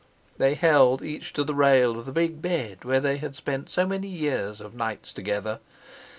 They held each to the rail of the big bed where they had spent so many years of nights together.